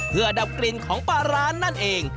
เพื่อดับกลิ่นของปลาร้านั่นเอง